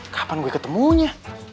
kapan aku ketemunya